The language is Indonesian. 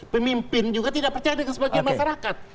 pemimpin juga tidak percaya dengan sebagian masyarakat